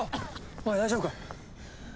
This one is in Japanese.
おい大丈夫か？